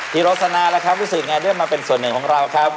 พี่ภาวส์สนานะครับรู้สึกยังไงด้วยมาเป็นส่วนหนึ่งของเราครับ